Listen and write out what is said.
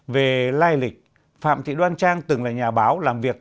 về lai lịch phạm thị đoan trang từng là nhà báo